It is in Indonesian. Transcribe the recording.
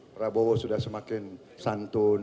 prabowo sudah semakin santun